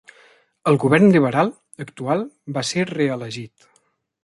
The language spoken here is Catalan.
El govern Lliberal actual va ser re-elegit.